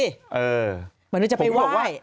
เหมือนจะไปไหว้